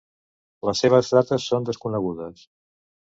Les seves dates són desconegudes.